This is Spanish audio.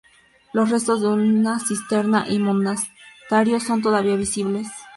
Los restos de una cisterna y un monasterio son todavía visibles.